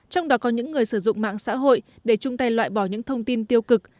trong đó có những người sử dụng mạng xã hội để chung tay loại bỏ những thông tin tiêu cực